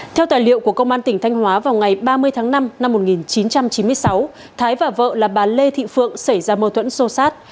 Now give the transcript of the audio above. theo tài liệu của công an tỉnh thanh hóa vào ngày ba mươi tháng năm năm một nghìn chín trăm chín mươi sáu thái và vợ là bà lê thị phượng xảy ra mâu thuẫn sô sát